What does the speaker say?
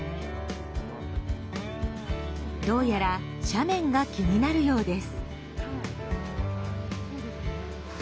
どうやら斜面が気になるようです。